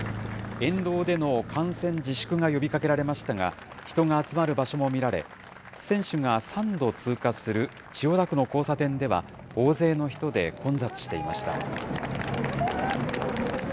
沿道での観戦自粛が呼びかけられましたが、人が集まる場所も見られ、選手が３度通過する千代田区の交差点では、大勢の人で混雑していました。